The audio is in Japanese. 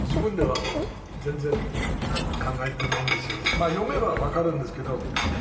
まあ読めば分かるんですけど。